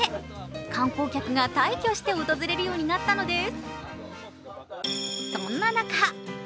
観光客が大挙して押し寄せるようになったのです。